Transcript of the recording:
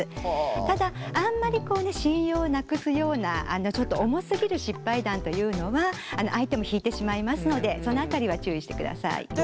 ただあんまり信用をなくすようなちょっと重すぎる失敗談というのは相手も引いてしまいますのでその辺りは注意してください。